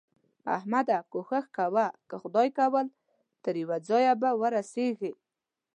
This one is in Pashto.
احمده! کوښښ کوه؛ که خدای کول تر يوه ځايه به ورسېږې.